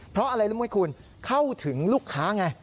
เพราะอะไรรู้ไหมคุณเข้าถึงลูกค้าไง